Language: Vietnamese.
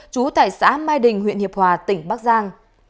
trú tại xã mai đình huyện hiệp hòa tỉnh bắc giang